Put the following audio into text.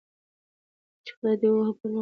خدای دي ووهه پر ما به توره شپه کړې